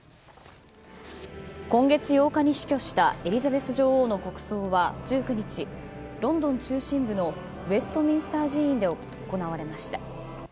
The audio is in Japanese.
今月８日に死去したエリザベス女王の国葬は１９日、ロンドン中心部のウェストミンスター寺院で行われました。